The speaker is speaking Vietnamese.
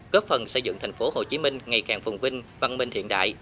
góp phần xây dựng thành phố hồ chí minh ngày càng phùng vinh văn minh hiện đại